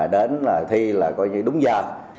đến thi đúng giờ